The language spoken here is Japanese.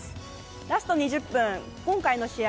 ラスト２０分、今回の試合